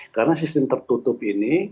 karena sistem tertutup ini